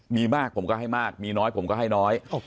มีมากผมก็ให้มากมีน้อยผมก็ให้น้อย